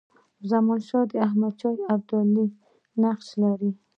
زمانشاه د احمدشاه ابدالي نقشې لري.